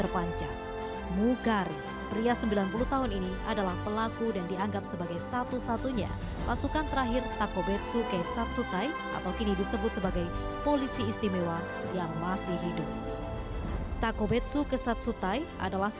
kalau misalnya itu pada waktu panen pada waktu itu kita konsumsi dengan habis